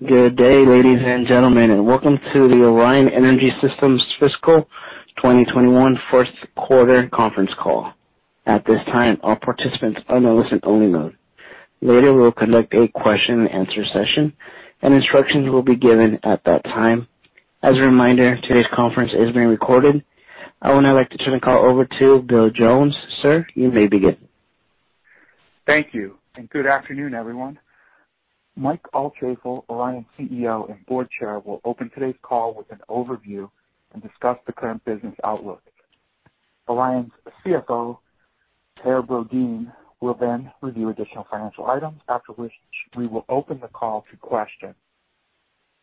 Good day, ladies and gentlemen, and welcome to the Orion Energy Systems Fiscal 2021 Fourth Quarter Conference Call. At this time, all participants are in a listen-only mode. Later, we will conduct a question-and-answer session, and instructions will be given at that time. As a reminder, today's conference is being recorded. I would now like to turn the call over to Bill Jones. Sir, you may begin. Thank you, and good afternoon, everyone. Mike Altschaefl, Orion's CEO and Board Chair, will open today's call with an overview and discuss the current business outlook. Orion's CFO, Per Brodin, will then review additional financial items, after which we will open the call to questions.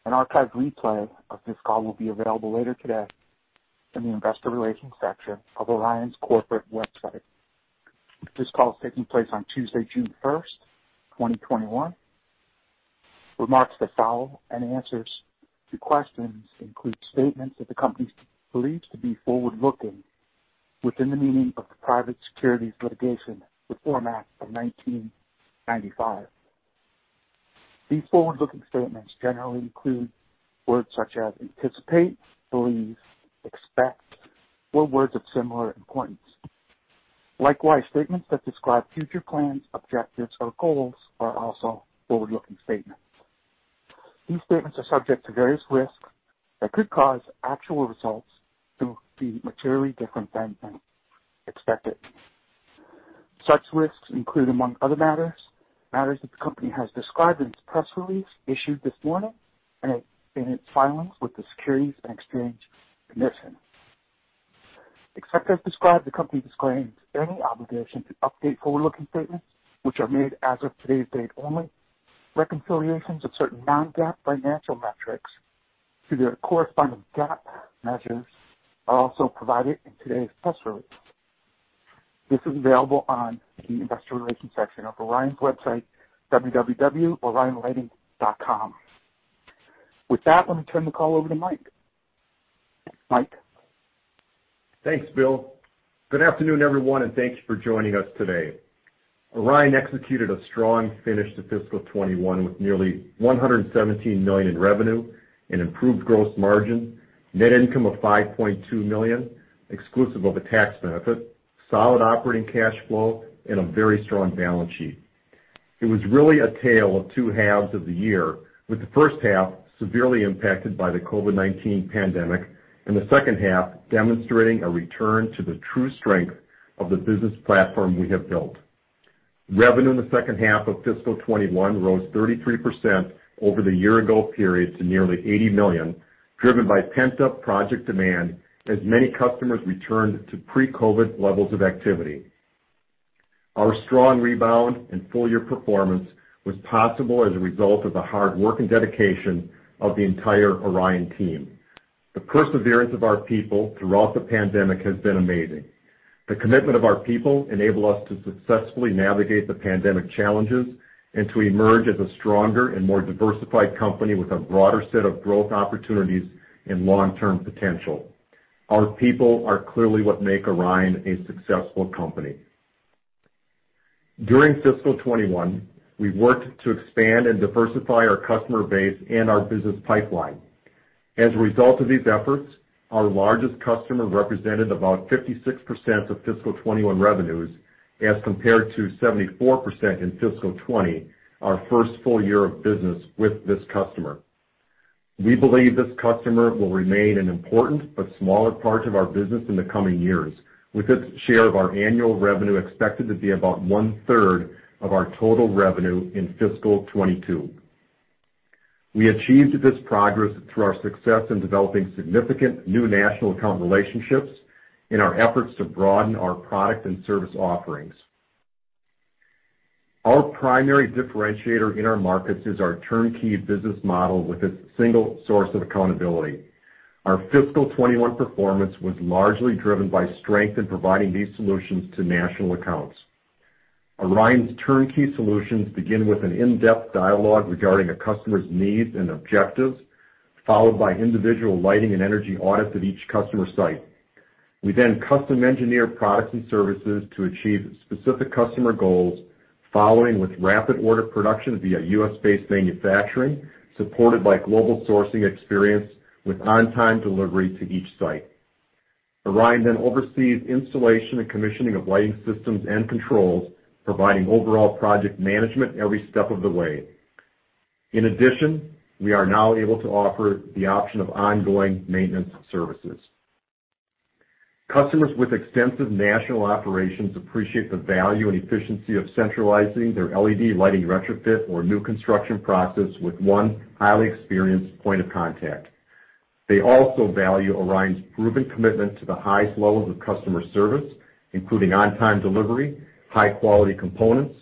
An archived replay of this call will be available later today in the investor relations section of Orion's corporate website. This call is taking place on Tuesday, June 1st, 2021. Remarks as follows, and answers to questions include statements that the company believes to be forward-looking within the meaning of the Private Securities Litigation Reform Act of 1995. These forward-looking statements generally include words such as anticipate, believe, expect, or words of similar import. Likewise, statements that describe future plans, objectives, or goals are also forward-looking statements. These statements are subject to various risks that could cause actual results to be materially different than expected. Such risks include, among other matters, matters that the company has described in its press release issued this morning and in its filings with the Securities and Exchange Commission. Except as described, the company disclaims any obligation to update forward-looking statements, which are made as of today's date only. Reconciliations of certain non-GAAP financial metrics to their corresponding GAAP measures are also provided in today's press release. This is available on the investor relations section of Orion's website, www.orionlighting.com. With that, let me turn the call over to Mike. Mike. Thanks, Bill. Good afternoon, everyone, and thank you for joining us today. Orion executed a strong finish to fiscal 2021 with nearly $117 million in revenue, an improved gross margin, net income of $5.2 million exclusive of a tax benefit, solid operating cash flow, and a very strong balance sheet. It was really a tale of two halves of the year, with the first half severely impacted by the COVID-19 pandemic and the second half demonstrating a return to the true strength of the business platform we have built. Revenue in the second half of fiscal 2021 rose 33% over the year-ago period to nearly $80 million, driven by pent-up project demand as many customers returned to pre-COVID levels of activity. Our strong rebound and full-year performance was possible as a result of the hard work and dedication of the entire Orion team. The perseverance of our people throughout the pandemic has been amazing. The commitment of our people enabled us to successfully navigate the pandemic challenges and to emerge as a stronger and more diversified company with a broader set of growth opportunities and long-term potential. Our people are clearly what make Orion a successful company. During fiscal 2021, we worked to expand and diversify our customer base and our business pipeline. As a result of these efforts, our largest customer represented about 56% of fiscal 2021 revenues as compared to 74% in fiscal 2020, our first full year of business with this customer. We believe this customer will remain an important but smaller part of our business in the coming years, with its share of our annual revenue expected to be about one-third of our total revenue in fiscal 2022. We achieved this progress through our success in developing significant new national account relationships and our efforts to broaden our product and service offerings. Our primary differentiator in our markets is our turnkey business model with its single source of accountability. Our fiscal 2021 performance was largely driven by strength in providing these solutions to national accounts. Orion's turnkey solutions begin with an in-depth dialogue regarding a customer's needs and objectives, followed by individual lighting and energy audits at each customer site. We then custom-engineer products and services to achieve specific customer goals, following with rapid order production via U.S.-based manufacturing supported by global sourcing experience with on-time delivery to each site. Orion then oversees installation and commissioning of lighting systems and controls, providing overall project management every step of the way. In addition, we are now able to offer the option of ongoing maintenance services. Customers with extensive national operations appreciate the value and efficiency of centralizing their LED lighting retrofit or new construction process with one highly experienced point of contact. They also value Orion's proven commitment to the highest levels of customer service, including on-time delivery, high-quality components,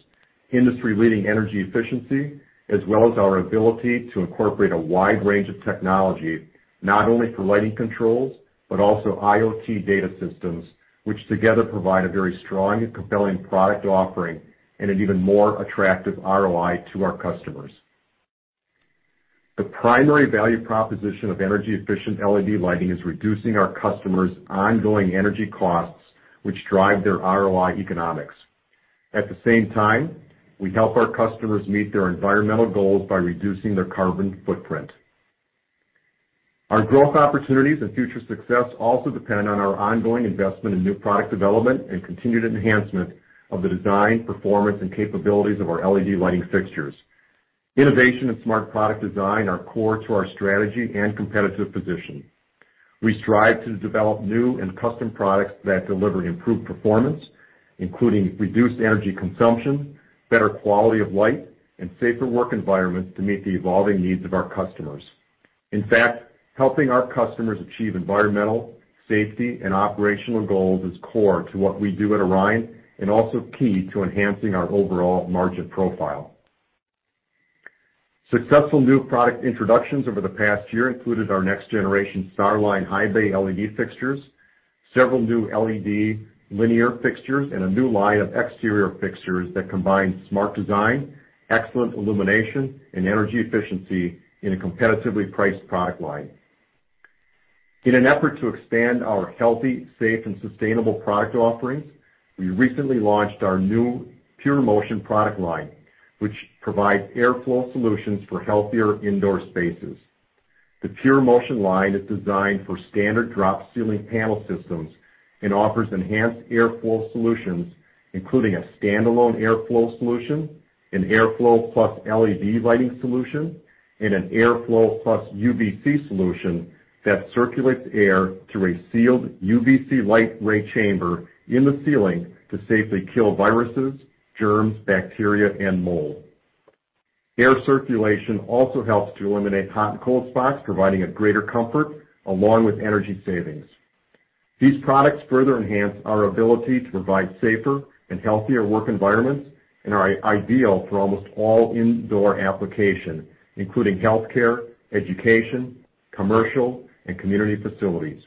industry-leading energy efficiency, as well as our ability to incorporate a wide range of technology not only for lighting controls but also IoT data systems, which together provide a very strong and compelling product offering and an even more attractive ROI to our customers. The primary value proposition of energy-efficient LED lighting is reducing our customers' ongoing energy costs, which drive their ROI economics. At the same time, we help our customers meet their environmental goals by reducing their carbon footprint. Our growth opportunities and future success also depend on our ongoing investment in new product development and continued enhancement of the design, performance, and capabilities of our LED lighting fixtures. Innovation and smart product design are core to our strategy and competitive position. We strive to develop new and custom products that deliver improved performance, including reduced energy consumption, better quality of light, and safer work environments to meet the evolving needs of our customers. In fact, helping our customers achieve environmental, safety, and operational goals is core to what we do at Orion and also key to enhancing our overall margin profile. Successful new product introductions over the past year included our next-generation Star Line High Bay LED fixtures, several new LED linear fixtures, and a new line of exterior fixtures that combine smart design, excellent illumination, and energy efficiency in a competitively priced product line. In an effort to expand our healthy, safe, and sustainable product offerings, we recently launched our new PureMotion product line, which provides airflow solutions for healthier indoor spaces. The PureMotion line is designed for standard drop ceiling panel systems and offers enhanced airflow solutions, including a standalone airflow solution, an airflow plus LED lighting solution, and an airflow plus UVC solution that circulates air through a sealed UVC light ray chamber in the ceiling to safely kill viruses, germs, bacteria, and mold. Air circulation also helps to eliminate hot and cold spots, providing a greater comfort along with energy savings. These products further enhance our ability to provide safer and healthier work environments and are ideal for almost all indoor applications, including healthcare, education, commercial, and community facilities.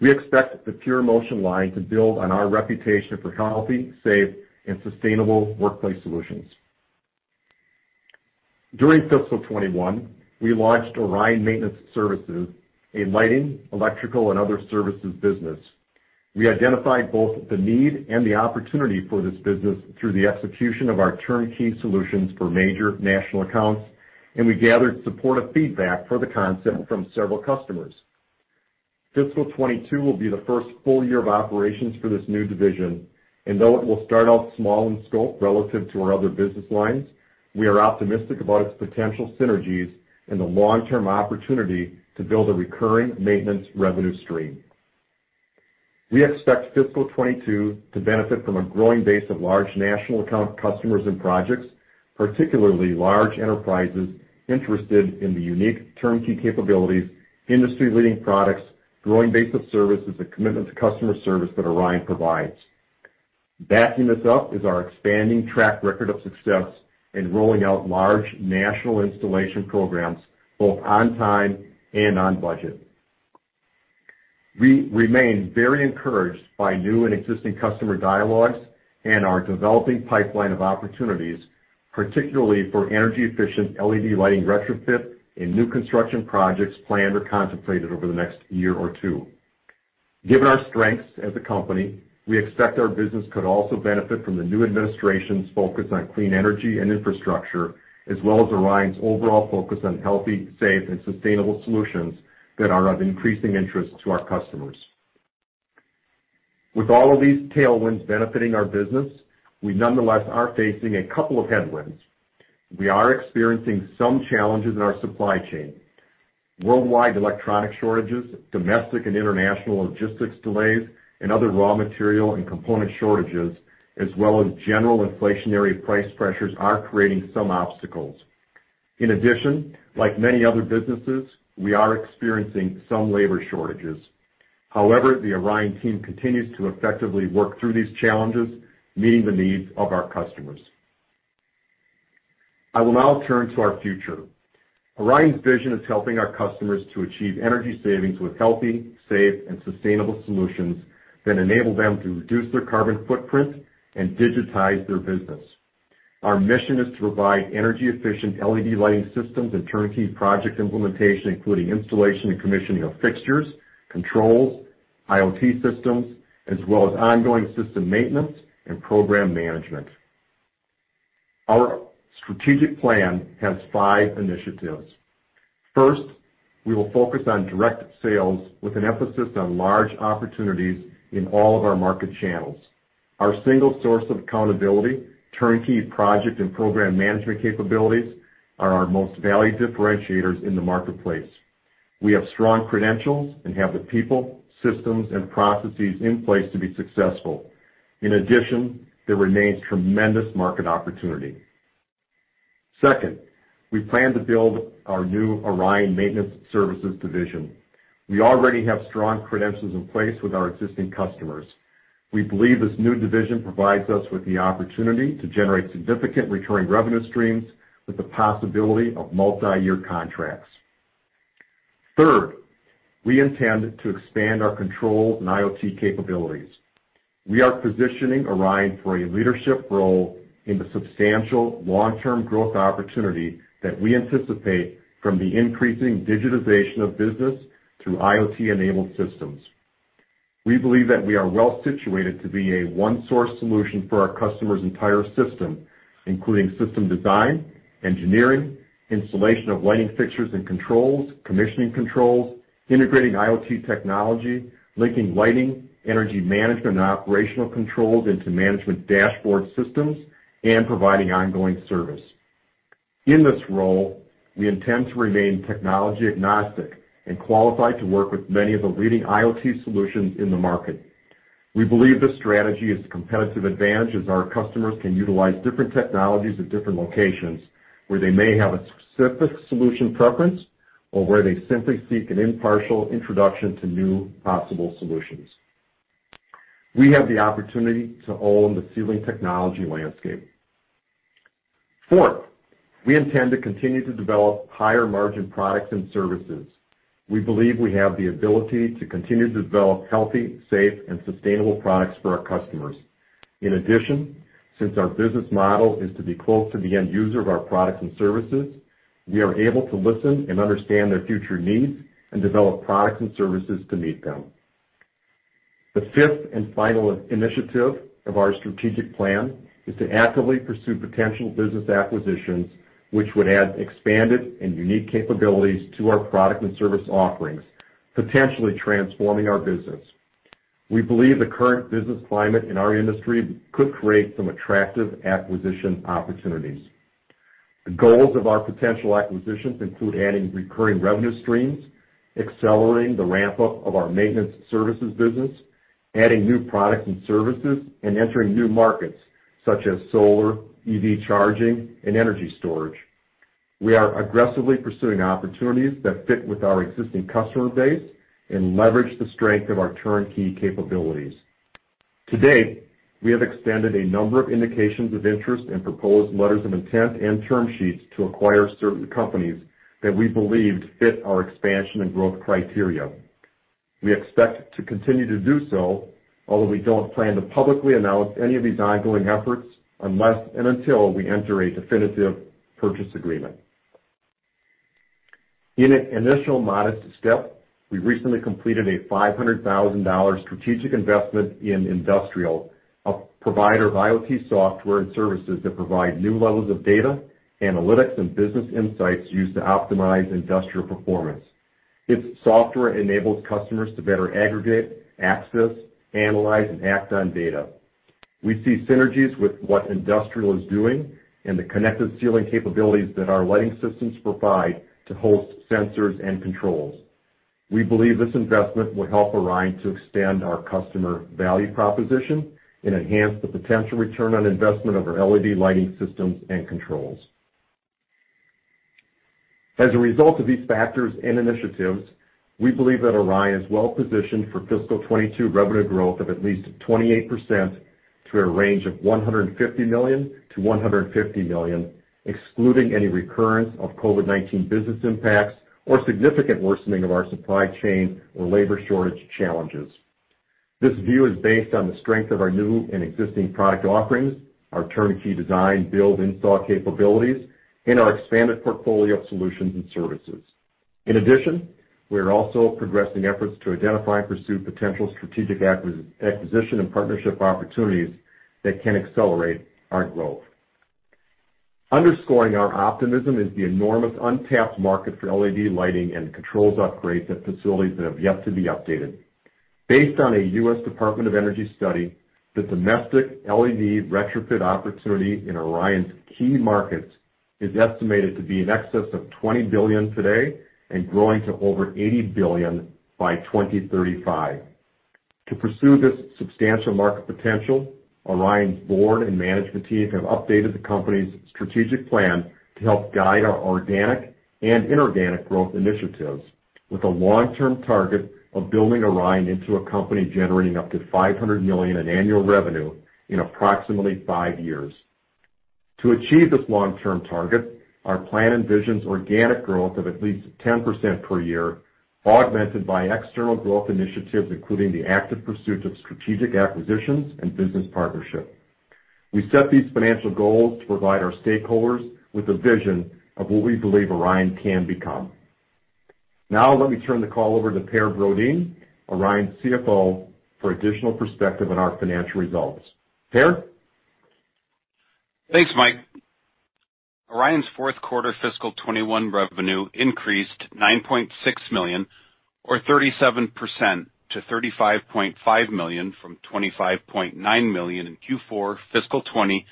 We expect the PureMotion line to build on our reputation for healthy, safe, and sustainable workplace solutions. During fiscal 2021, we launched Orion Maintenance Services, a lighting, electrical, and other services business. We identified both the need and the opportunity for this business through the execution of our turnkey solutions for major national accounts, and we gathered supportive feedback for the concept from several customers. Fiscal 2022 will be the first full year of operations for this new division, and though it will start out small in scope relative to our other business lines, we are optimistic about its potential synergies and the long-term opportunity to build a recurring maintenance revenue stream. We expect fiscal 2022 to benefit from a growing base of large national account customers and projects, particularly large enterprises interested in the unique turnkey capabilities, industry-leading products, growing base of services, and commitment to customer service that Orion provides. Backing this up is our expanding track record of success in rolling out large national installation programs both on time and on budget. We remain very encouraged by new and existing customer dialogues and our developing pipeline of opportunities, particularly for energy-efficient LED lighting retrofit and new construction projects planned or contemplated over the next year or two. Given our strengths as a company, we expect our business could also benefit from the new administration's focus on clean energy and infrastructure, as well as Orion's overall focus on healthy, safe, and sustainable solutions that are of increasing interest to our customers. With all of these tailwinds benefiting our business, we nonetheless are facing a couple of headwinds. We are experiencing some challenges in our supply chain. Worldwide electronic shortages, domestic and international logistics delays, and other raw material and component shortages, as well as general inflationary price pressures, are creating some obstacles. In addition, like many other businesses, we are experiencing some labor shortages. However, the Orion team continues to effectively work through these challenges, meeting the needs of our customers. I will now turn to our future. Orion's vision is helping our customers to achieve energy savings with healthy, safe, and sustainable solutions that enable them to reduce their carbon footprint and digitize their business. Our mission is to provide energy-efficient LED lighting systems and turnkey project implementation, including installation and commissioning of fixtures, controls, IoT systems, as well as ongoing system maintenance and program management. Our strategic plan has five initiatives. First, we will focus on direct sales with an emphasis on large opportunities in all of our market channels. Our single source of accountability, turnkey project, and program management capabilities are our most valued differentiators in the marketplace. We have strong credentials and have the people, systems, and processes in place to be successful. In addition, there remains tremendous market opportunity. Second, we plan to build our new Orion Maintenance Services Division. We already have strong credentials in place with our existing customers. We believe this new division provides us with the opportunity to generate significant recurring revenue streams with the possibility of multi-year contracts. Third, we intend to expand our controls and IoT capabilities. We are positioning Orion for a leadership role in the substantial long-term growth opportunity that we anticipate from the increasing digitization of business through IoT-enabled systems. We believe that we are well situated to be a one-source solution for our customer's entire system, including system design, engineering, installation of lighting fixtures and controls, commissioning controls, integrating IoT technology, linking lighting, energy management, and operational controls into management dashboard systems, and providing ongoing service. In this role, we intend to remain technology agnostic and qualified to work with many of the leading IoT solutions in the market. We believe this strategy is a competitive advantage as our customers can utilize different technologies at different locations where they may have a specific solution preference or where they simply seek an impartial introduction to new possible solutions. We have the opportunity to own the ceiling technology landscape. Fourth, we intend to continue to develop higher margin products and services. We believe we have the ability to continue to develop healthy, safe, and sustainable products for our customers. In addition, since our business model is to be close to the end user of our products and services, we are able to listen and understand their future needs and develop products and services to meet them. The fifth and final initiative of our strategic plan is to actively pursue potential business acquisitions, which would add expanded and unique capabilities to our product and service offerings, potentially transforming our business. We believe the current business climate in our industry could create some attractive acquisition opportunities. The goals of our potential acquisitions include adding recurring revenue streams, accelerating the ramp-up of our maintenance services business, adding new products and services, and entering new markets such as solar, EV charging, and energy storage. We are aggressively pursuing opportunities that fit with our existing customer base and leverage the strength of our turnkey capabilities. To date, we have extended a number of indications of interest and proposed letters of intent and term sheets to acquire certain companies that we believe fit our expansion and growth criteria. We expect to continue to do so, although we don't plan to publicly announce any of these ongoing efforts unless and until we enter a definitive purchase agreement. In an initial modest step, we recently completed a $500,000 strategic investment in ndustrial, a provider of IoT software and services that provides new levels of data, analytics, and business insights used to optimize industrial performance. Its software enables customers to better aggregate, access, analyze, and act on data. We see synergies with what ndustrial is doing and the connected ceiling capabilities that our lighting systems provide to host sensors and controls. We believe this investment will help Orion to extend our customer value proposition and enhance the potential return on investment of our LED lighting systems and controls. As a result of these factors and initiatives, we believe that Orion is well positioned for fiscal 2022 revenue growth of at least 28% to a range of $150 million to $150 million, excluding any recurrence of COVID-19 business impacts or significant worsening of our supply chain or labor shortage challenges. This view is based on the strength of our new and existing product offerings, our turnkey design, build, install capabilities, and our expanded portfolio of solutions and services. In addition, we are also progressing efforts to identify and pursue potential strategic acquisition and partnership opportunities that can accelerate our growth. Underscoring our optimism is the enormous untapped market for LED lighting and controls upgrades at facilities that have yet to be updated. Based on a U.S. Department of Energy study, the domestic LED retrofit opportunity in Orion's key markets is estimated to be in excess of $20 billion today and growing to over $80 billion by 2035. To pursue this substantial market potential, Orion's board and management team have updated the company's strategic plan to help guide our organic and inorganic growth initiatives, with a long-term target of building Orion into a company generating up to $500 million in annual revenue in approximately five years. To achieve this long-term target, our plan envisions organic growth of at least 10% per year, augmented by external growth initiatives, including the active pursuit of strategic acquisitions and business partnership. We set these financial goals to provide our stakeholders with a vision of what we believe Orion can become. Now, let me turn the call over to Per Brodin, Orion CFO, for additional perspective on our financial results. Per? Thanks, Mike. Orion's fourth quarter fiscal 2021 revenue increased $9.6 million, or 37%, to $35.5 million from $25.9 million in Q4 fiscal 2020,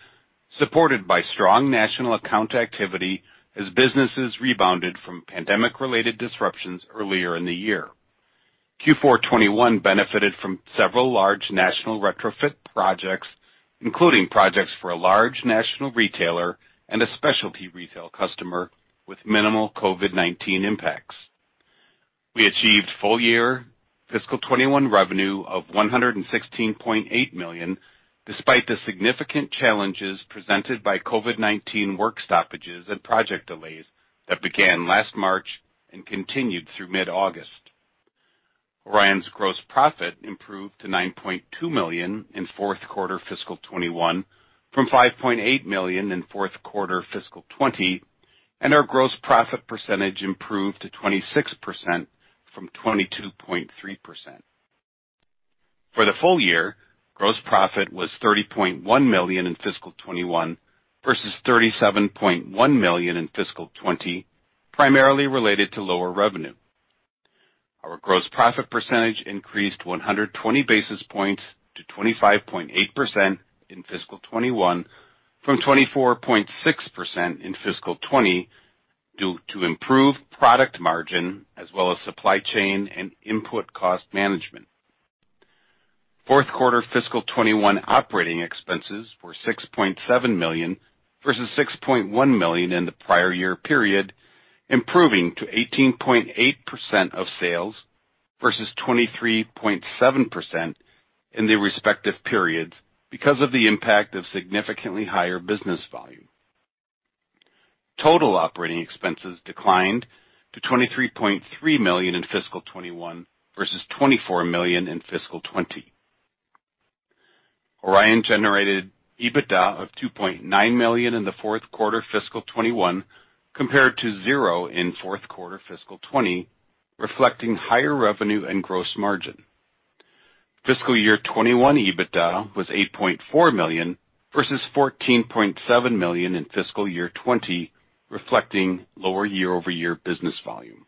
supported by strong national account activity as businesses rebounded from pandemic-related disruptions earlier in the year. Q4 2021 benefited from several large national retrofit projects, including projects for a large national retailer and a specialty retail customer with minimal COVID-19 impacts. We achieved full year fiscal 2021 revenue of $116.8 million despite the significant challenges presented by COVID-19 work stoppages and project delays that began last March and continued through mid-August. Orion's gross profit improved to $9.2 million in fourth quarter fiscal 2021 from $5.8 million in fourth quarter fiscal 2020, and our gross profit percentage improved to 26% from 22.3%. For the full year, gross profit was $30.1 million in fiscal 2021 versus $37.1 million in fiscal 2020, primarily related to lower revenue. Our gross profit percentage increased 120 basis points to 25.8% in fiscal 2021 from 24.6% in fiscal 2020 due to improved product margin as well as supply chain and input cost management. Fourth quarter fiscal 2021 operating expenses were $6.7 million versus $6.1 million in the prior year period, improving to 18.8% of sales versus 23.7% in the respective periods because of the impact of significantly higher business volume. Total operating expenses declined to $23.3 million in fiscal 2021 versus $24 million in fiscal 2020. Orion generated EBITDA of $2.9 million in the fourth quarter fiscal 2021, compared to zero in fourth quarter fiscal 2020, reflecting higher revenue and gross margin. Fiscal year 2021 EBITDA was $8.4 million versus $14.7 million in fiscal year 2020, reflecting lower year-over-year business volume.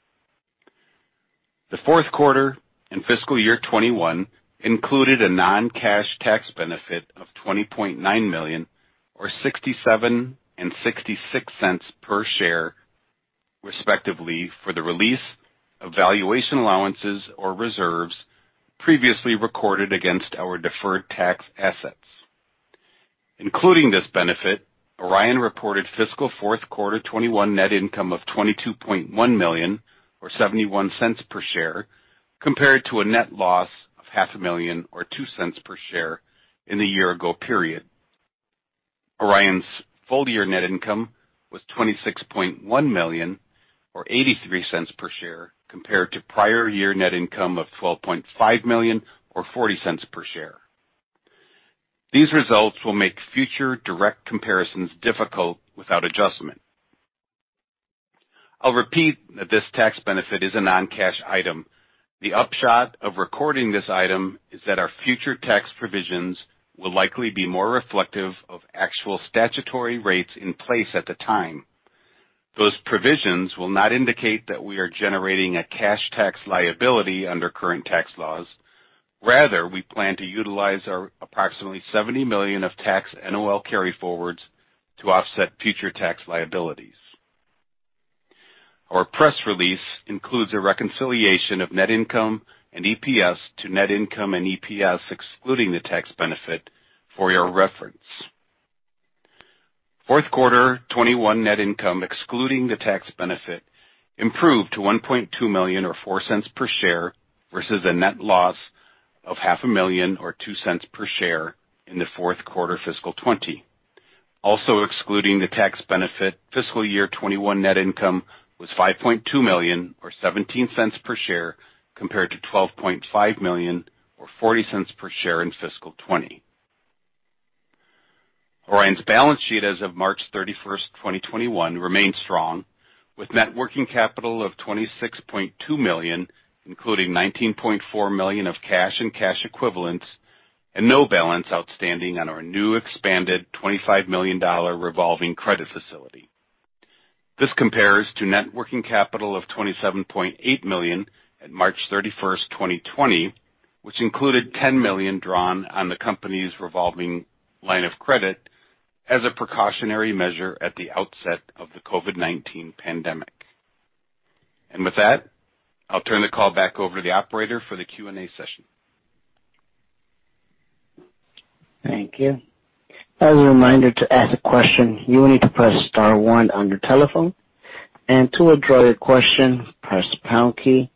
The fourth quarter and fiscal year 2021 included a non-cash tax benefit of $20.9 million, or $0.67 and $0.66 per share, respectively, for the release of valuation allowances or reserves previously recorded against our deferred tax assets. Including this benefit, Orion reported fiscal fourth quarter 2021 net income of $22.1 million, or $0.71 per share, compared to a net loss of $500,000, or $0.02 per share, in the year-ago period. Orion's full year net income was $26.1 million, or $0.83 per share, compared to prior year net income of $12.5 million, or $0.40 per share. These results will make future direct comparisons difficult without adjustment. I'll repeat that this tax benefit is a non-cash item. The upshot of recording this item is that our future tax provisions will likely be more reflective of actual statutory rates in place at the time. Those provisions will not indicate that we are generating a cash tax liability under current tax laws. Rather, we plan to utilize our approximately $70 million of tax NOL carryforwards to offset future tax liabilities. Our press release includes a reconciliation of net income and EPS to net income and EPS, excluding the tax benefit, for your reference. Fourth quarter 2021 net income, excluding the tax benefit, improved to $1.2 million, or $0.04 per share, versus a net loss of $500,000, or $0.02 per share, in the fourth quarter fiscal 2020. Also, excluding the tax benefit, fiscal year 2021 net income was $5.2 million, or $0.17 per share, compared to $12.5 million, or $0.40 per share in fiscal 2020. Orion's balance sheet as of March 31, 2021, remains strong, with net working capital of $26.2 million, including $19.4 million of cash and cash equivalents, and no balance outstanding on our new expanded $25 million revolving credit facility. This compares to net working capital of $27.8 million at March 31, 2020, which included $10 million drawn on the company's revolving line of credit as a precautionary measure at the outset of the COVID-19 pandemic. And with that, I'll turn the call back over to the operator for the Q&A session. Thank you. As a reminder to ask a question, you will need to press star one on your telephone. And to withdraw your question, press pound key.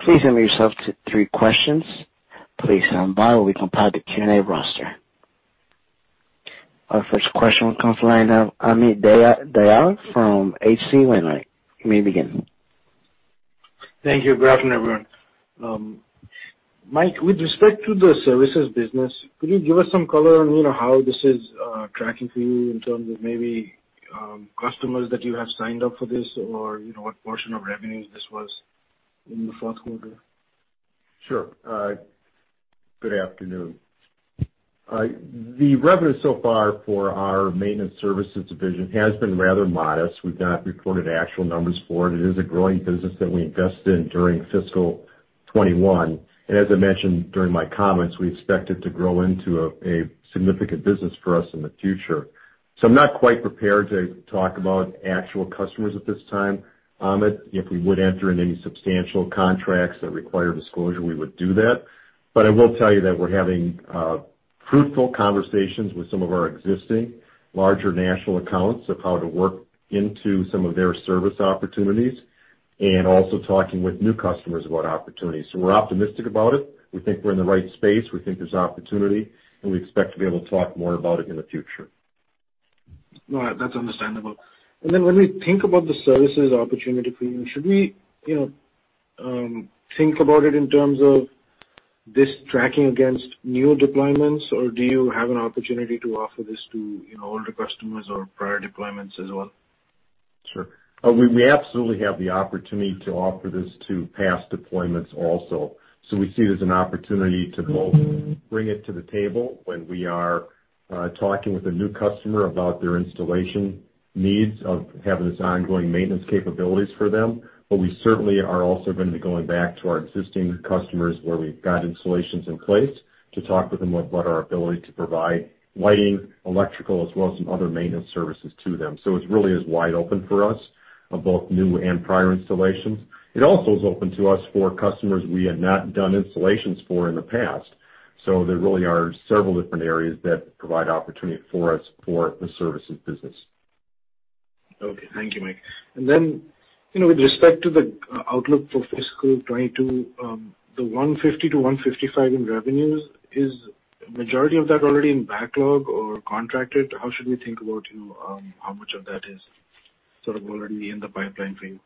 Please limit yourself to three questions. Please stand by while we compile the Q&A roster. Our first question comes from Amit Dayal from H.C. Wainwright. You may begin. Thank you. Good afternoon, everyone. Mike, with respect to the services business, could you give us some color on how this is tracking for you in terms of maybe customers that you have signed up for this, or what portion of revenues this was in the fourth quarter? Sure. Good afternoon. The revenue so far for our maintenance services division has been rather modest. We've not reported actual numbers for it. It is a growing business that we invest in during fiscal 2021. And as I mentioned during my comments, we expect it to grow into a significant business for us in the future. So I'm not quite prepared to talk about actual customers at this time. If we would enter in any substantial contracts that require disclosure, we would do that. But I will tell you that we're having fruitful conversations with some of our existing larger national accounts of how to work into some of their service opportunities, and also talking with new customers about opportunities. So we're optimistic about it. We think we're in the right space. We think there's opportunity, and we expect to be able to talk more about it in the future. No, that's understandable. And then when we think about the services opportunity for you, should we think about it in terms of this tracking against new deployments, or do you have an opportunity to offer this to older customers or prior deployments as well? Sure. We absolutely have the opportunity to offer this to past deployments also. So we see it as an opportunity to both bring it to the table when we are talking with a new customer about their installation needs of having this ongoing maintenance capabilities for them. But we certainly are also going to be going back to our existing customers where we've got installations in place to talk with them about our ability to provide lighting, electrical, as well as some other maintenance services to them. So it's really as wide open for us of both new and prior installations. It also is open to us for customers we had not done installations for in the past. So there really are several different areas that provide opportunity for us for the services business. Okay. Thank you, Mike. And then with respect to the outlook for fiscal 2022, the $150 million-$155 million in revenues, is the majority of that already in backlog or contracted? How should we think about how much of that is sort of already in the pipeline for you?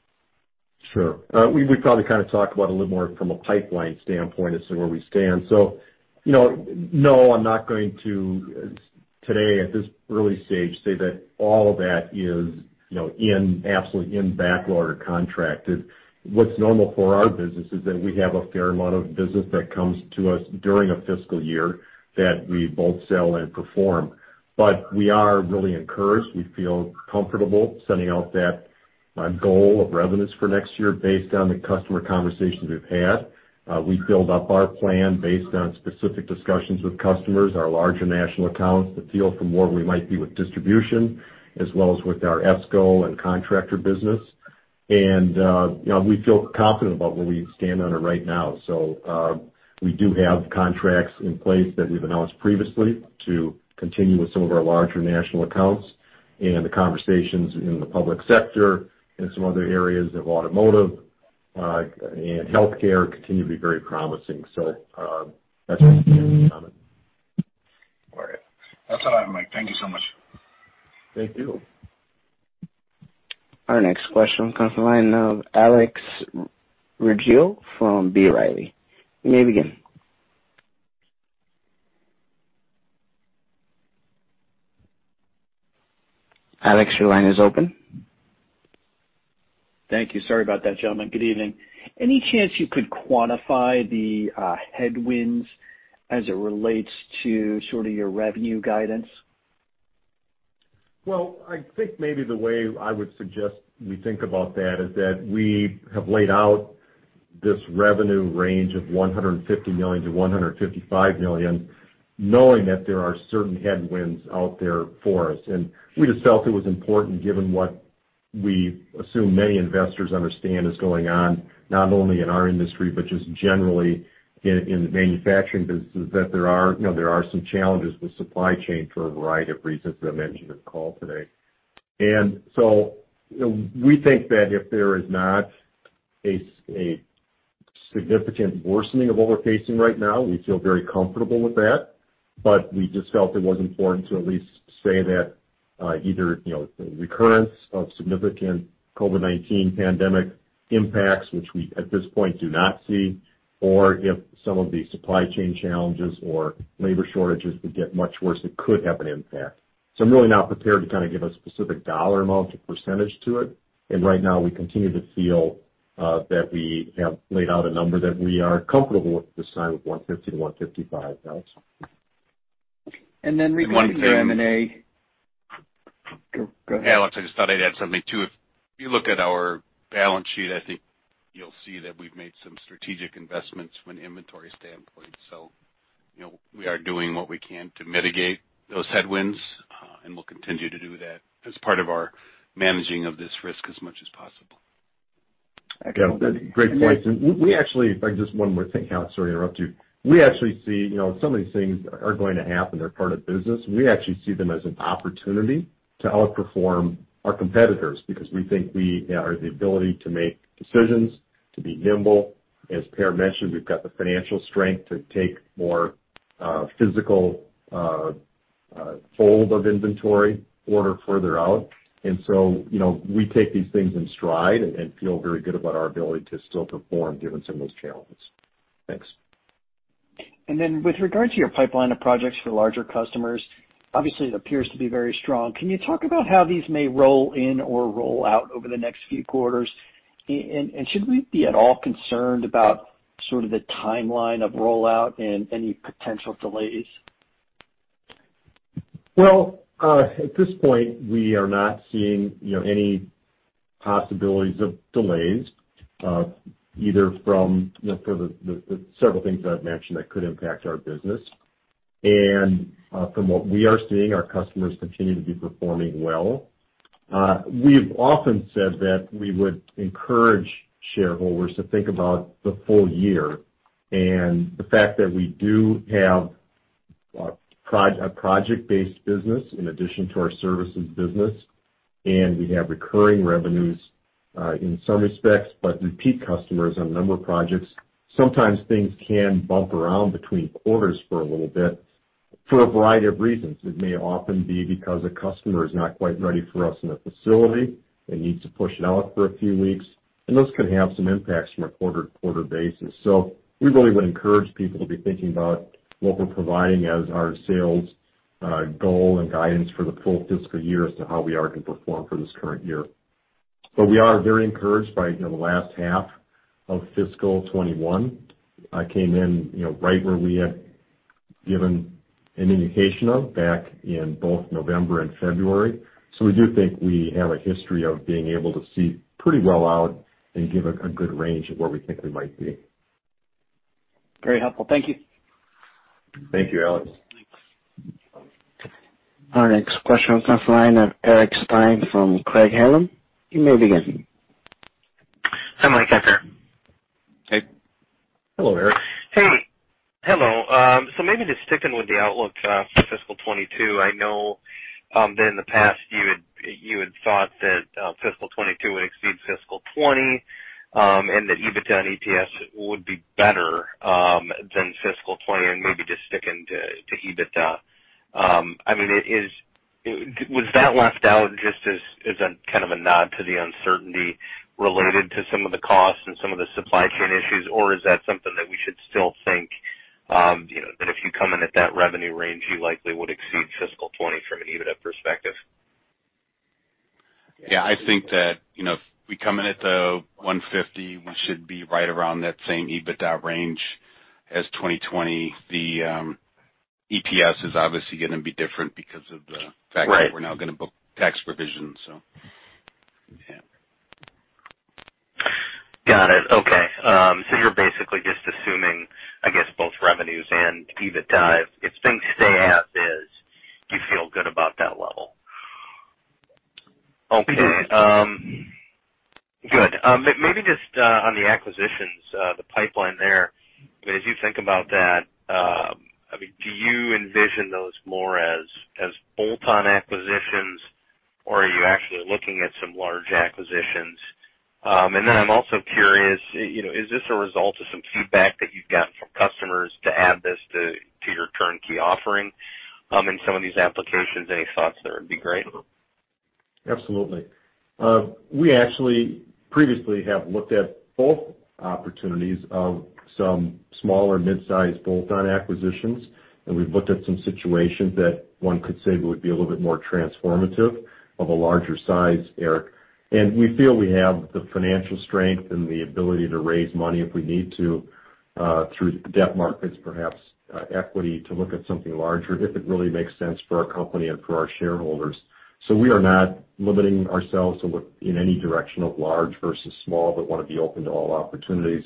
Sure. We probably kind of talk about a little more from a pipeline standpoint as to where we stand. So no, I'm not going to, today at this early stage, say that all of that is absolutely in backlog or contracted. What's normal for our business is that we have a fair amount of business that comes to us during a fiscal year that we both sell and perform. But we are really encouraged. We feel comfortable sending out that goal of revenues for next year based on the customer conversations we've had. We build up our plan based on specific discussions with customers, our larger national accounts, the feel for where we might be with distribution, as well as with our ESCO and contractor business. And we feel confident about where we stand on it right now. So we do have contracts in place that we've announced previously to continue with some of our larger national accounts. And the conversations in the public sector and some other areas of automotive and healthcare continue to be very promising. So that's my stance on it. All right. That's all I have, Mike. Thank you so much. Thank you. Our next question comes from the line of Alex Rygiel from B. Riley. You may begin. Alex, your line is open. Thank you. Sorry about that, gentlemen. Good evening. Any chance you could quantify the headwinds as it relates to sort of your revenue guidance? I think maybe the way I would suggest we think about that is that we have laid out this revenue range of $150 million-$155 million, knowing that there are certain headwinds out there for us. We just felt it was important, given what we assume many investors understand is going on, not only in our industry, but just generally in the manufacturing businesses, that there are some challenges with supply chain for a variety of reasons that I mentioned in the call today. We think that if there is not a significant worsening of what we're facing right now, we feel very comfortable with that. But we just felt it was important to at least say that either the recurrence of significant COVID-19 pandemic impacts, which we at this point do not see, or if some of the supply chain challenges or labor shortages would get much worse, it could have an impact. So I'm really not prepared to kind of give a specific dollar amount or percentage to it. And right now, we continue to feel that we have laid out a number that we are comfortable with at this time of 150 to 155, Alex. And then we can hear M&A go ahead. Yeah, Alex, I just thought I'd add something too. If you look at our balance sheet, I think you'll see that we've made some strategic investments from an inventory standpoint. So we are doing what we can to mitigate those headwinds, and we'll continue to do that as part of our managing of this risk as much as possible. Excellent. Great points. And we actually, if I can just one more thing, Alex, sorry to interrupt you, we actually see some of these things are going to happen. They're part of business. We actually see them as an opportunity to outperform our competitors because we think we have the ability to make decisions, to be nimble. As Per mentioned, we've got the financial strength to take more physical hold of inventory, order further out. And so we take these things in stride and feel very good about our ability to still perform given some of those challenges. Thanks. And then with regard to your pipeline of projects for larger customers, obviously, it appears to be very strong. Can you talk about how these may roll in or roll out over the next few quarters? And should we be at all concerned about sort of the timeline of rollout and any potential delays? Well, at this point, we are not seeing any possibilities of delays, either from the several things that I've mentioned that could impact our business. And from what we are seeing, our customers continue to be performing well. We've often said that we would encourage shareholders to think about the full year and the fact that we do have a project-based business in addition to our services business, and we have recurring revenues in some respects, but repeat customers on a number of projects. Sometimes things can bump around between quarters for a little bit for a variety of reasons. It may often be because a customer is not quite ready for us in the facility and needs to push it out for a few weeks. And those could have some impacts from a quarter-to-quarter basis. So we really would encourage people to be thinking about what we're providing as our sales goal and guidance for the full fiscal year as to how we are going to perform for this current year. But we are very encouraged by the last half of fiscal 2021. It came in right where we had given an indication of back in both November and February. So we do think we have a history of being able to see pretty well out and give a good range of where we think we might be. Very helpful. Thank you. Thank you, Alex. Thanks. Our next question comes from the line of Eric Stine from Craig-Hallum. You may begin. Hi, Mike. Hi, Per. Hey. Hello, Eric. Hey. Hello. So maybe just sticking with the outlook for fiscal 2022, I know that in the past you had thought that fiscal 2022 would exceed fiscal 2020 and that EBITDA and EPS would be better than fiscal 2020, and maybe just sticking to EBITDA. I mean, was that left out just as kind of a nod to the uncertainty related to some of the costs and some of the supply chain issues, or is that something that we should still think that if you come in at that revenue range, you likely would exceed fiscal 2020 from an EBITDA perspective? Yeah. I think that if we come in at the 150, we should be right around that same EBITDA range as 2020. The EPS is obviously going to be different because of the fact that we're now going to book tax provisions, so. Yeah. Got it. Okay. So you're basically just assuming, I guess, both revenues and EBITDA if things stay as is, you feel good about that level. Okay. Good. Maybe just on the acquisitions, the pipeline there, I mean, as you think about that, I mean, do you envision those more as bolt-on acquisitions, or are you actually looking at some large acquisitions? And then I'm also curious, is this a result of some feedback that you've gotten from customers to add this to your turnkey offering in some of these applications? Any thoughts there would be great. Absolutely. We actually previously have looked at both opportunities of some smaller, mid-sized bolt-on acquisitions, and we've looked at some situations that one could say would be a little bit more transformative of a larger size, Eric. And we feel we have the financial strength and the ability to raise money if we need to through debt markets, perhaps equity to look at something larger if it really makes sense for our company and for our shareholders. So we are not limiting ourselves to look in any direction of large versus small, but want to be open to all opportunities.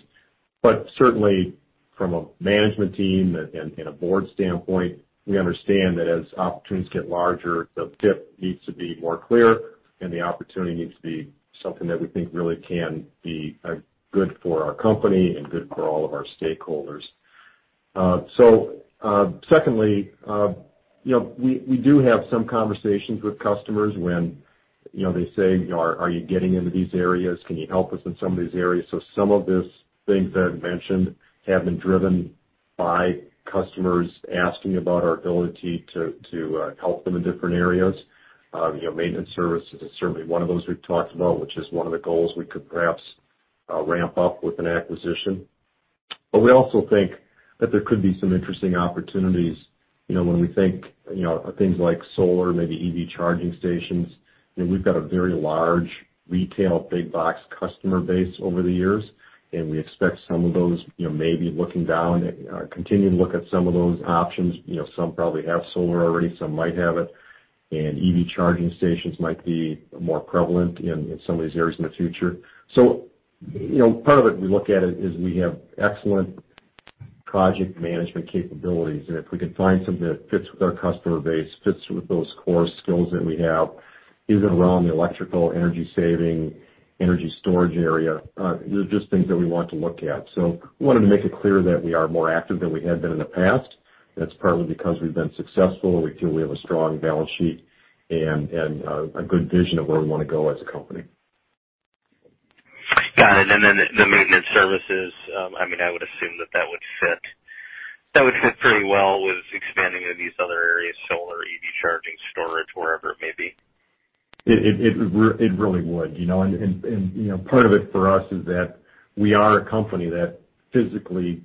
But certainly, from a management team and a board standpoint, we understand that as opportunities get larger, the fit needs to be more clear, and the opportunity needs to be something that we think really can be good for our company and good for all of our stakeholders. So secondly, we do have some conversations with customers when they say, "Are you getting into these areas? Can you help us in some of these areas?" So some of these things that I've mentioned have been driven by customers asking about our ability to help them in different areas. Maintenance services is certainly one of those we've talked about, which is one of the goals we could perhaps ramp up with an acquisition. But we also think that there could be some interesting opportunities when we think of things like solar, maybe EV charging stations. We've got a very large retail big-box customer base over the years, and we expect some of those may be looking down and continue to look at some of those options. Some probably have solar already. Some might have it. EV charging stations might be more prevalent in some of these areas in the future. Part of it we look at it is we have excellent project management capabilities. If we can find something that fits with our customer base, fits with those core skills that we have, even around the electrical, energy-saving, energy storage area, there's just things that we want to look at. We wanted to make it clear that we are more active than we had been in the past. That's partly because we've been successful. We feel we have a strong balance sheet and a good vision of where we want to go as a company. Got it. Then the maintenance services, I mean, I would assume that that would fit pretty well with expanding of these other areas, solar, EV charging, storage, wherever it may be. It really would. And part of it for us is that we are a company that physically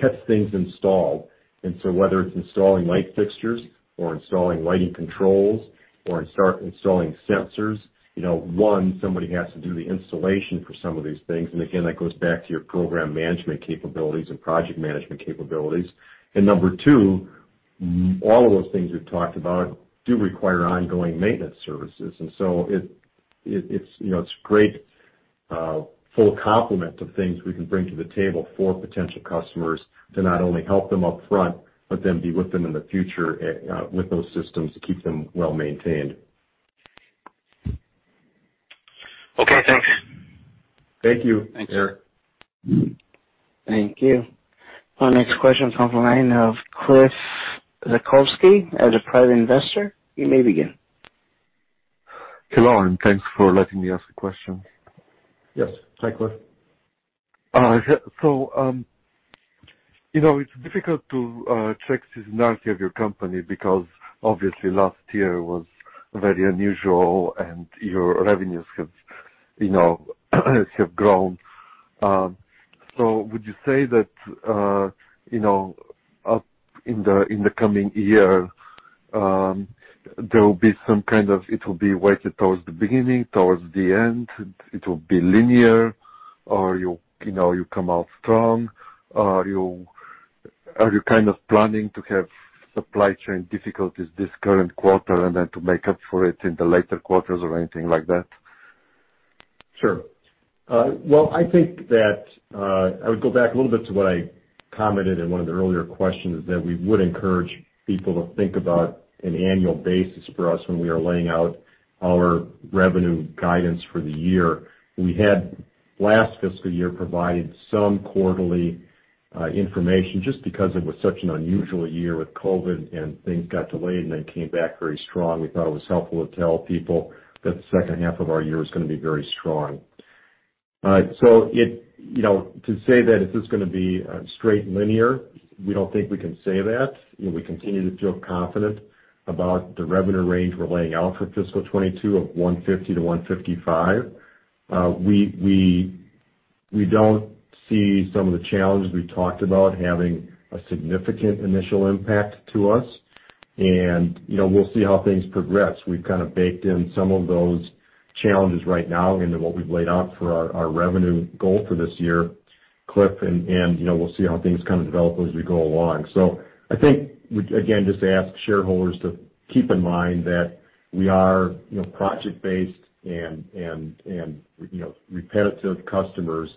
gets things installed. And so whether it's installing light fixtures or installing lighting controls or installing sensors, one, somebody has to do the installation for some of these things. And again, that goes back to your program management capabilities and project management capabilities. And number two, all of those things we've talked about do require ongoing maintenance services. And so it's a great full complement of things we can bring to the table for potential customers to not only help them upfront, but then be with them in the future with those systems to keep them well maintained. Okay. Thanks. Thank you, Eric. Thank you. Our next question comes from line of Chris Zuchowski as a private investor. You may begin. Hello, and thanks for letting me ask the question. Yes. Hi, Chris. It's difficult to check the seasonality of your company because, obviously, last year was very unusual, and your revenues have grown. Would you say that in the coming year, there will be some kind of it will be weighted towards the beginning, towards the end? It will be linear, or you come out strong? Are you kind of planning to have supply chain difficulties this current quarter and then to make up for it in the later quarters or anything like that? Sure. I think that I would go back a little bit to what I commented in one of the earlier questions, that we would encourage people to think about an annual basis for us when we are laying out our revenue guidance for the year. We had last fiscal year provided some quarterly information just because it was such an unusual year with COVID, and things got delayed and then came back very strong. We thought it was helpful to tell people that the second half of our year is going to be very strong, so to say that it's just going to be straight linear, we don't think we can say that. We continue to feel confident about the revenue range we're laying out for fiscal 2022 of 150-155. We don't see some of the challenges we talked about having a significant initial impact to us, and we'll see how things progress. We've kind of baked in some of those challenges right now into what we've laid out for our revenue goal for this year, and we'll see how things kind of develop as we go along. So I think, again, just to ask shareholders to keep in mind that we are project-based and repetitive customers,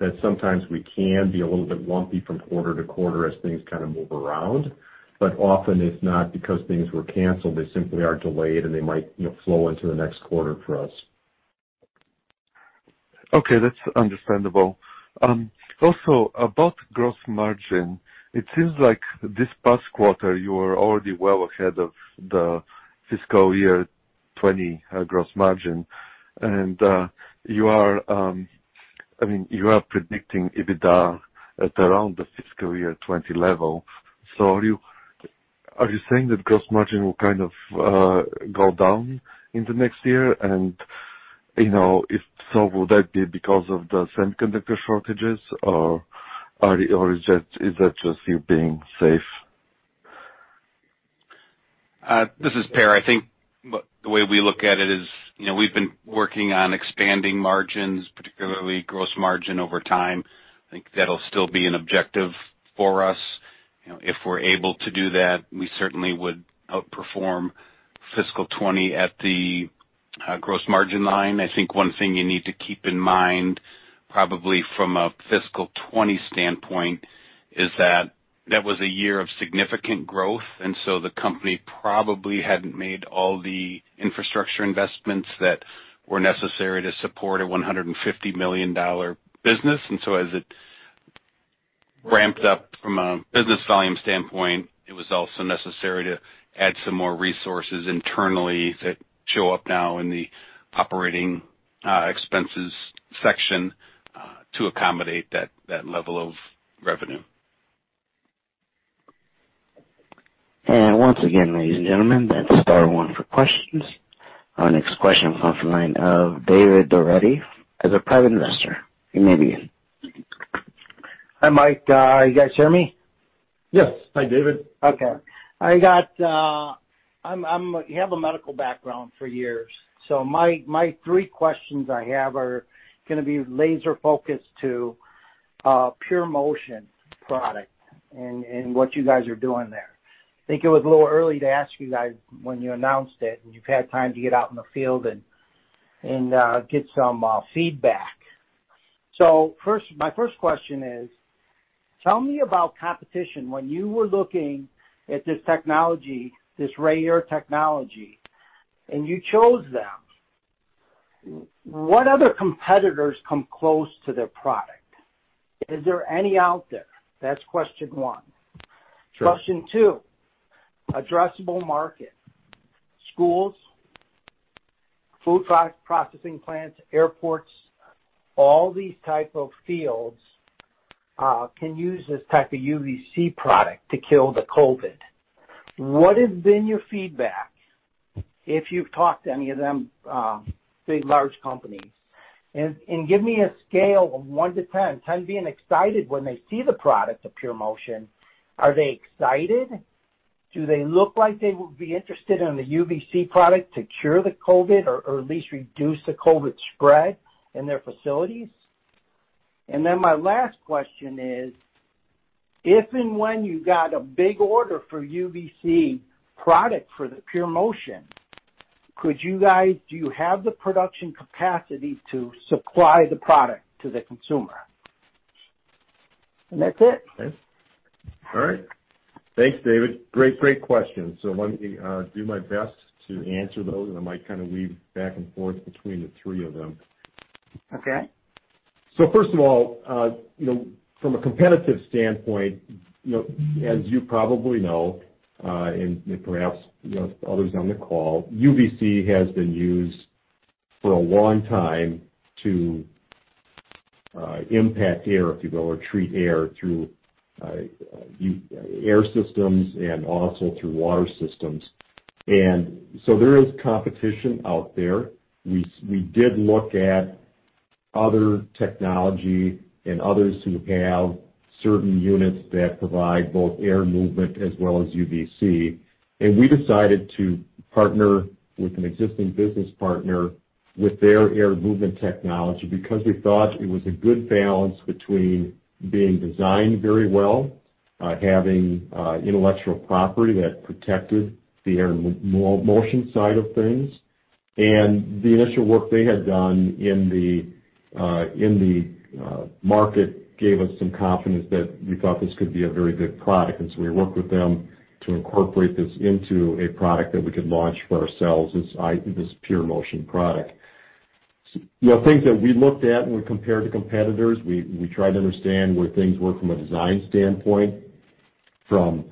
that sometimes we can be a little bit lumpy from quarter to quarter as things kind of move around. But often, it's not because things were canceled. They simply are delayed, and they might flow into the next quarter for us. Okay. That's understandable. Also, about gross margin, it seems like this past quarter, you were already well ahead of the fiscal year 2020 gross margin. And you are, I mean, you are predicting EBITDA at around the fiscal year 2020 level. So are you saying that gross margin will kind of go down in the next year? And if so, would that be because of the semiconductor shortages, or is that just you being safe? This is Per. I think the way we look at it is we've been working on expanding margins, particularly gross margin over time. I think that'll still be an objective for us. If we're able to do that, we certainly would outperform fiscal 2020 at the gross margin line. I think one thing you need to keep in mind, probably from a fiscal 2020 standpoint, is that that was a year of significant growth. And so the company probably hadn't made all the infrastructure investments that were necessary to support a $150 million business. And so as it ramped up from a business volume standpoint, it was also necessary to add some more resources internally that show up now in the operating expenses section to accommodate that level of revenue. And once again, ladies and gentlemen, that's star one for questions. Our next question comes from the line of David Durbetti as a private investor. You may begin. Hi, Mike. You guys hear me? Yes. Hi, David. Okay. You have a medical background for years. So my three questions I have are going to be laser-focused to PureMotion product and what you guys are doing there. I think it was a little early to ask you guys when you announced it, and you've had time to get out in the field and get some feedback. So my first question is, tell me about competition. When you were looking at this technology, this Ray-Air technology, and you chose them, what other competitors come close to their product? Is there any out there? That's question one. Question two, addressable market: schools, food processing plants, airports. All these types of fields can use this type of UVC product to kill the COVID. What has been your feedback if you've talked to any of them, big large companies? And give me a scale of one to 10, 10 being excited when they see the product of PureMotion. Are they excited? Do they look like they would be interested in the UVC product to cure the COVID or at least reduce the COVID spread in their facilities? And then my last question is, if and when you got a big order for UVC product for the PureMotion, do you have the production capacity to supply the product to the consumer? And that's it. All right. Thanks, David. Great, great questions. So let me do my best to answer those, and I might kind of weave back and forth between the three of them. Okay. So first of all, from a competitive standpoint, as you probably know, and perhaps others on the call, UVC has been used for a long time to impact air, if you will, or treat air through air systems and also through water systems. And so there is competition out there. We did look at other technology and others who have certain units that provide both air movement as well as UVC. And we decided to partner with an existing business partner with their air movement technology because we thought it was a good balance between being designed very well, having intellectual property that protected the air motion side of things. And the initial work they had done in the market gave us some confidence that we thought this could be a very good product. And so we worked with them to incorporate this into a product that we could launch for ourselves as this PureMotion product. Things that we looked at and we compared to competitors, we tried to understand where things were from a design standpoint, from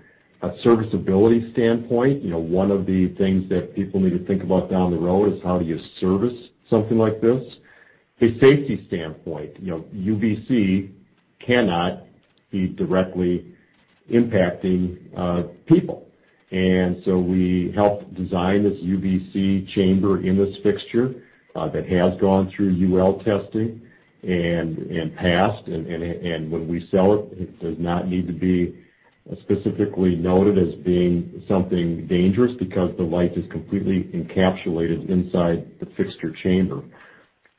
a serviceability standpoint. One of the things that people need to think about down the road is how do you service something like this? A safety standpoint, UVC cannot be directly impacting people. And so we helped design this UVC chamber in this fixture that has gone through UL testing and passed. And when we sell it, it does not need to be specifically noted as being something dangerous because the light is completely encapsulated inside the fixture chamber.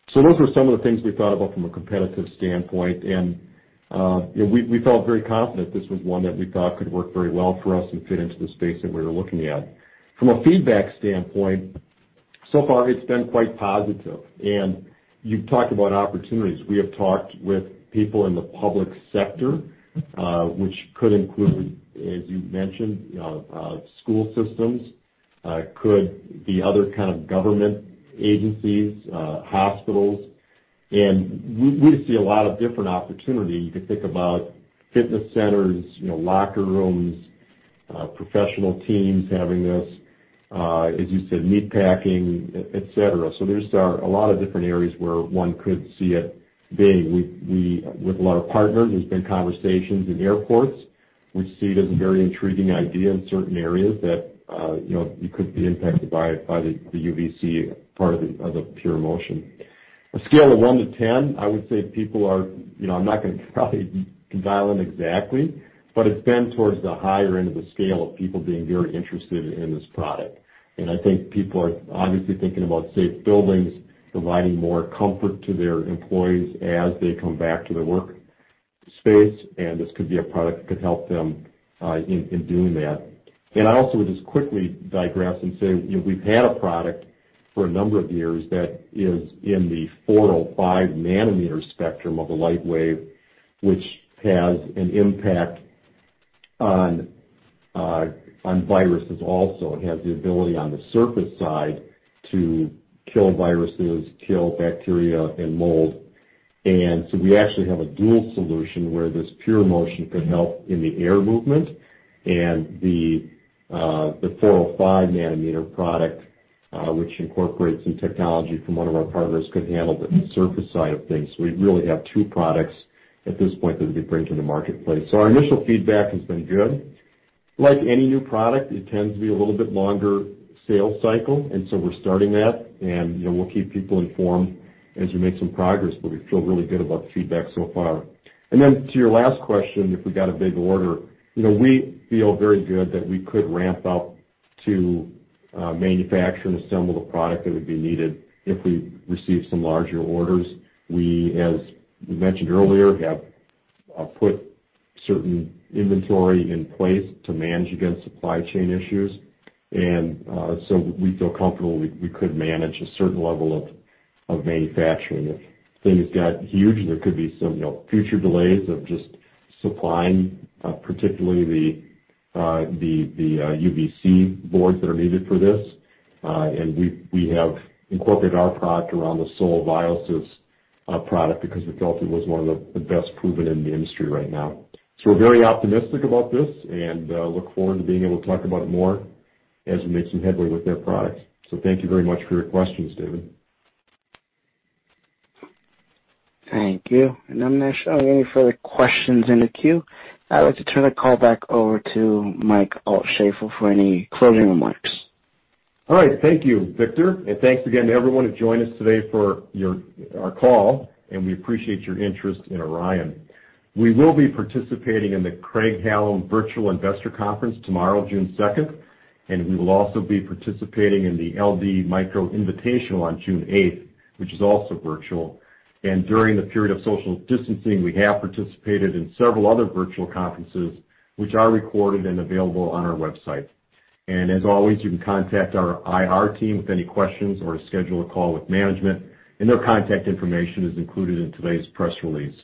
So those were some of the things we thought about from a competitive standpoint. We felt very confident this was one that we thought could work very well for us and fit into the space that we were looking at. From a feedback standpoint, so far, it's been quite positive. You've talked about opportunities. We have talked with people in the public sector, which could include, as you mentioned, school systems, could be other kinds of government agencies, hospitals. We see a lot of different opportunity. You could think about fitness centers, locker rooms, professional teams having this, as you said, meat packing, etc. There's a lot of different areas where one could see it being. With a lot of partners, there's been conversations in airports. We see it as a very intriguing idea in certain areas that you could be impacted by the UVC part of the PureMotion. a scale of one to 10, I would say people are. I'm not going to probably dial in exactly, but it's been towards the higher end of the scale of people being very interested in this product. And I think people are obviously thinking about safe buildings, providing more comfort to their employees as they come back to the workspace. And this could be a product that could help them in doing that. And I also would just quickly digress and say we've had a product for a number of years that is in the 405 nanometer spectrum of the light wave, which has an impact on viruses also. It has the ability on the surface side to kill viruses, kill bacteria, and mold. And so we actually have a dual solution where this PureMotion could help in the air movement. And the 405 nanometer product, which incorporates some technology from one of our partners, could handle the surface side of things. So we really have two products at this point that we bring to the marketplace. So our initial feedback has been good. Like any new product, it tends to be a little bit longer sales cycle. And so we're starting that. And we'll keep people informed as we make some progress, but we feel really good about the feedback so far. And then to your last question, if we got a big order, we feel very good that we could ramp up to manufacture and assemble the product that would be needed if we receive some larger orders. We, as mentioned earlier, have put certain inventory in place to manage against supply chain issues. And so we feel comfortable we could manage a certain level of manufacturing. If things got huge, there could be some future delays of just supplying, particularly the UVC boards that are needed for this, and we have incorporated our product around the Seoul Viosys product because we felt it was one of the best proven in the industry right now, so we're very optimistic about this and look forward to being able to talk about it more as we make some headway with their products, so thank you very much for your questions, David. Thank you, and I'm not showing any further questions in the queue. I'd like to turn the call back over to Mike Altschaefl for any closing remarks. All right. Thank you, Victor, and thanks again to everyone who joined us today for our call, and we appreciate your interest in Orion. We will be participating in the Craig-Hallum Virtual Investor Conference tomorrow, June 2nd. And we will also be participating in the LD Micro Invitational on June 8th, which is also virtual. And during the period of social distancing, we have participated in several other virtual conferences, which are recorded and available on our website. And as always, you can contact our IR team with any questions or schedule a call with management. And their contact information is included in today's press release.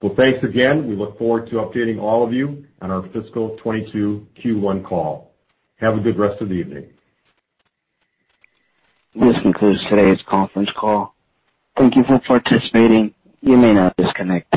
Well, thanks again. We look forward to updating all of you on our fiscal 2022 Q1 call. Have a good rest of the evening. This concludes today's conference call. Thank you for participating. You may now disconnect.